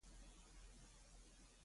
ښه ټيم او د ټيم چارو کې ښه والی.